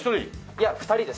いや二人です。